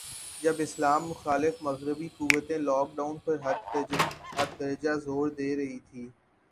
جب اسلام مخالف مغربی قوتیں, لاک ڈاون پر حد درجہ زور دے رہی تھیں